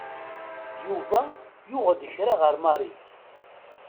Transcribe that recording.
Yuba yuɣ-d kra ɣer Mary.